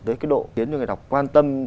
tới cái độ khiến người đọc quan tâm